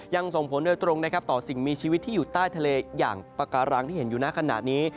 ยังส่งผลโดยตรงนะครับต่อสิ่งมีชีวิตที่อยู่ใต้ทะเลอย่างปากการังที่เห็นอยู่หน้าขณะนี้